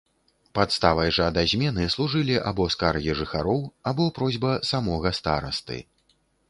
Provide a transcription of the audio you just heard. Падставай жа да змены служылі або скаргі жыхароў, або просьба самога старасты.